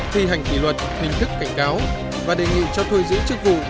thi hành kỷ luật hình thức cảnh cáo và đề nghị cho thôi giữ chức vụ